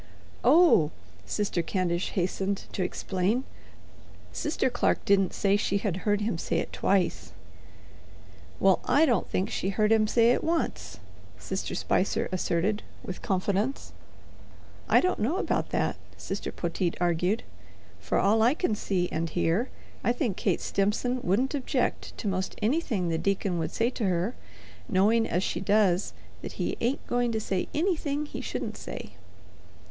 "Oh," Sister Candish hastened to explain, "Sister Clark didn't say she had heard him say it twice.'" "Well, I don't think she heard him say it once," Sister Spicer asserted with confidence. "I don't know about that," Sister Poteet argued. "From all I can see and hear I think Kate Stimson wouldn't object to 'most anything the deacon would say to her, knowing as she does that he ain't going to say anything he shouldn't say."